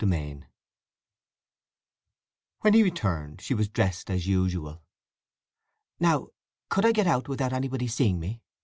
V When he returned she was dressed as usual. "Now could I get out without anybody seeing me?"